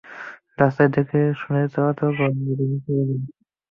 রাস্তায় দেখেশুনে চলাচল করুন, মাথা নিচে রাখুন!